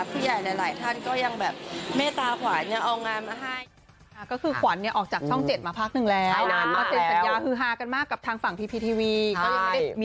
ผู้ใหญ่หลายท่านก็ยังแบบเมตตาขวานยังเอางานมาให้